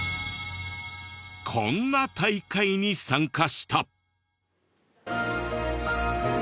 こんな大会に参加した！